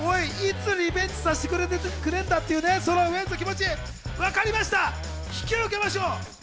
伝わってくるよ、いつリベンジさせてくれんだっていう、そのウエンツの気持ち、わかりました、引き受けましょう。